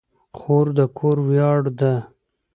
خور د کور ویاړ ده.